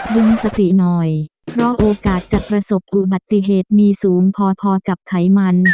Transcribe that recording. ดึงสติหน่อยเพราะโอกาสจะประสบอุบัติเหตุมีสูงพอพอกับไขมัน